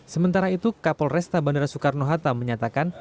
sementara itu kapolresta bandara soekarno hatta menyatakan